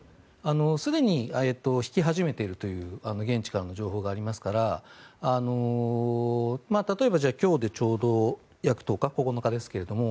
すでに引き始めているという現地からの情報がありますから例えば、今日でちょうど約１０日９日ですけれども